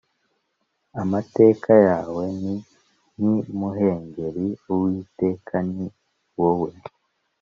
Amateka yawe ni nk’imuhengeri, uwiteka ni wowe